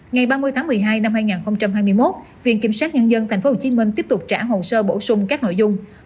ngày ba mươi tháng một mươi hai năm hai nghìn hai mươi một viện kiểm sát nhân dân tp hcm tiếp tục trả hồ sơ bổ sung các nội dung